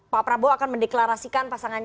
pak prabowo akan mendeklarasikan pasangan